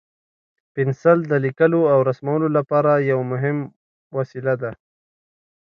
پنسل د لیکلو او رسمولو لپاره یو مهم وسیله ده.